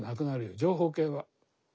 情報系は。